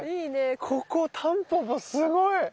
ここタンポポすごい。